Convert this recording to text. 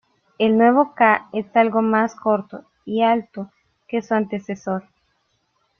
El nuevo Ka es algo más corto y alto que su antecesor.